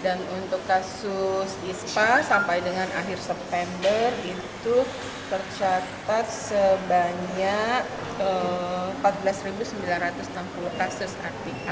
dan untuk kasus ispa sampai dengan akhir september itu tercatat sebanyak empat belas sembilan ratus enam puluh kasus artikel